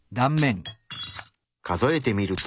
数えてみると。